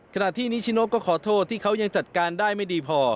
ขณะที่นิชิโนก็ขอโทษที่เขายังจัดการได้ไม่ดีพอ